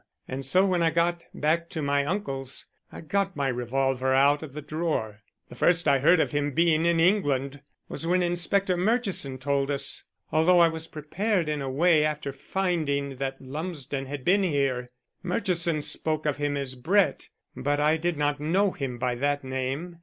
And so when I got back to my uncle's I got my revolver out of the drawer. The first I heard of him being in England was when Inspector Murchison told us, although I was prepared in a way after finding that Lumsden had been here. Murchison spoke of him as Brett, but I did not know him by that name.